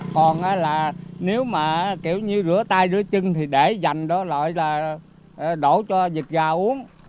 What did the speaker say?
còn là nếu mà kiểu như rửa tay rửa chân thì để dành đó lại là đổ cho dịch gà uống